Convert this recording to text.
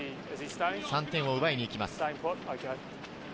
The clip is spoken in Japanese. ３点を奪いにいきます。